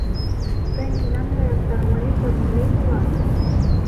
Тый мемнан гаяк тырмыли-тормыли улат...